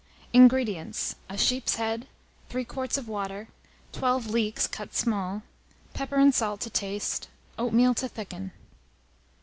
INGREDIENTS. A sheep's head, 3 quarts of water, 12 leeks cut small, pepper and salt to taste, oatmeal to thicken.